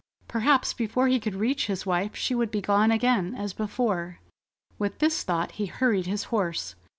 Perhaps before he could reach his wife she would be gone again, as before. With this thought, he hurried his horse.